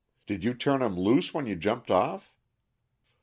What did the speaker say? Did you turn him loose when you jumped off?"